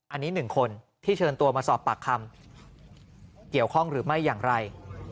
อันนี้หนึ่งคนที่เชิญตัวมาสอบปากคำเกี่ยวข้องหรือไม่อย่างไร